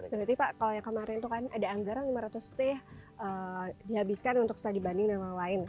berarti pak kalau yang kemarin itu kan ada anggaran lima ratus teh dihabiskan untuk studi banding dan lain lain